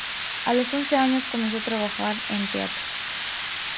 A los once años comenzó a trabajar en teatro.